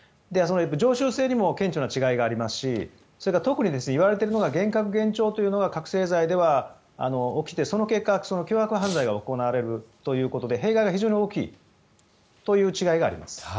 常習性にも顕著な違いがありますしそれから特に言われているのが幻覚、幻聴というのが覚醒剤では起きて、その結果凶悪犯罪が行われるということで弊害が非常に大きいという違いがあります。